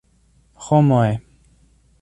Homoj!